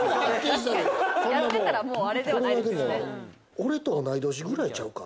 俺と同い年ぐらいちゃうか？